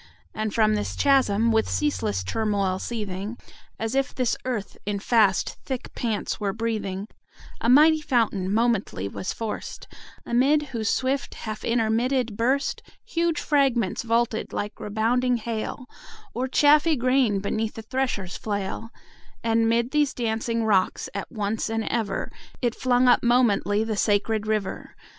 And from this chasm, with ceaseless turmoil seething, As if this earth in fast thick pants were breathing, A mighty fountain momently was forced; Amid whose swift half intermitted burst 20 Huge fragments vaulted like rebounding hail, Or chaffy grain beneath the thresher's flail: And 'mid these dancing rocks at once and ever It flung up momently the sacred river.